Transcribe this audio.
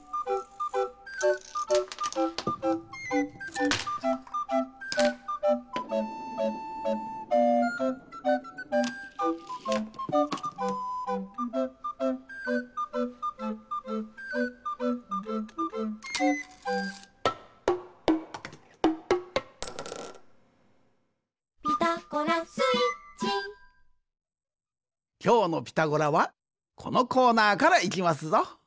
きょうの「ピタゴラ」はこのコーナーからいきますぞ。